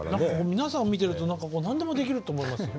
皆さんを見てると何でもできると思いますよ。